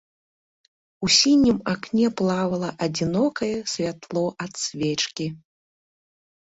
У сінім акне плавала адзінокае святло ад свечкі.